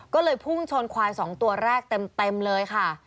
ก็เลยพุ่งชนควาย๒ตัวแรกเต็มเลยค่ะ